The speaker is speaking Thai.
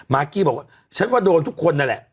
กี้บอกว่าฉันว่าโดนทุกคนนั่นแหละ